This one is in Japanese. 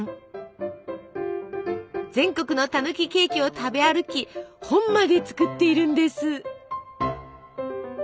全国のたぬきケーキを食べ歩き本まで作っているんです。